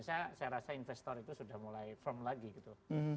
saya rasa investor itu sudah mulai firm lagi gitu